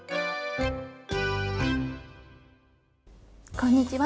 こんにちは。